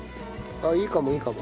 あっいいかもいいかも。